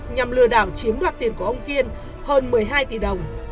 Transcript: nhằm lừa đảo chiếm đoạt tiền của ông kiên hơn một mươi hai tỷ đồng